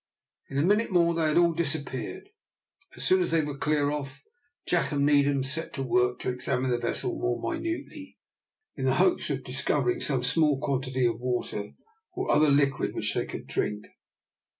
In a minute more they had all disappeared. As soon as they were clear off Jack and Needham set to work to examine the vessel more minutely, in the hopes of discovering some small quantity of water, or other liquid which they could drink.